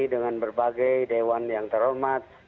dengan berbagai dewan yang terhormat